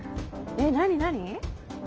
えっ何何？